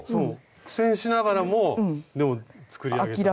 苦戦しながらもでも作り上げた。